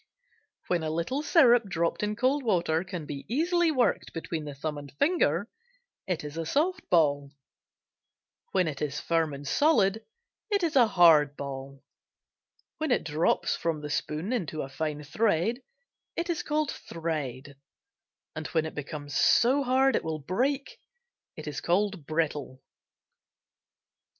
When a little syrup dropped in cold water can be easily worked between the thumb and finger, it is a "soft ball;" when it is firm and solid, it is a "hard ball;" when it drops from the spoon into a fine thread, it is called "thread;" and when it becomes so hard it will break, it is called "brittle."